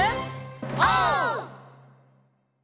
オー！